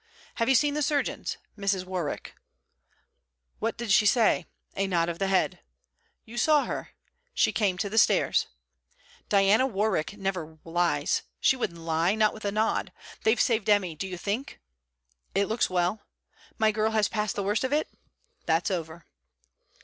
'Have you seen the surgeons?' 'Mrs. Warwick.' 'What did she say?' 'A nod of the head.' 'You saw her?' 'She came to the stairs.' 'Diana Warwick never lies. She wouldn't lie, not with a nod! They've saved Emmy do you think?' 'It looks well.' My girl has passed the worst of it?' 'That's over.'